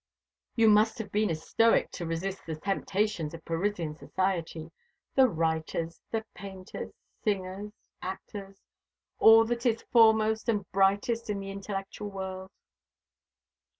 "You must have been a stoic to resist the temptations of Parisian society the writers, the painters, singers, actors all that is foremost and brightest in the intellectual world."